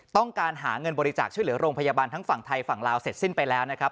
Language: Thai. ต้องการหาเงินบริจาคช่วยเหลือโรงพยาบาลทั้งฝั่งไทยฝั่งลาวเสร็จสิ้นไปแล้วนะครับ